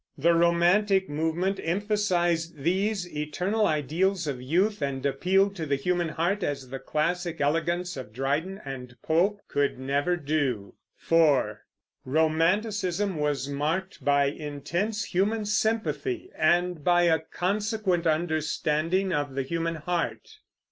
The romantic movement emphasized these eternal ideals of youth, and appealed to the human heart as the classic elegance of Dryden and Pope could never do. 4. Romanticism was marked by intense human sympathy, and by a consequent understanding of the human heart.